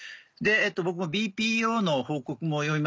僕もＢＰＯの報告も読みました。